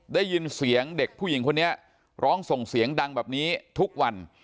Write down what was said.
ได้ยินเสียงเด็กผู้หญิงคนนี้ร้องส่งเสียงดังแบบนี้ทุกวัน